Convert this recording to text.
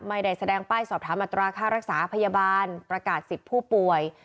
ไม่ได้แสดงป้ายสอบถามอัตราค่ารักษาพยาบาลประกาศสิทธิ์ผู้ป่วย